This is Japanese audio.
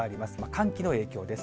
寒気の影響です。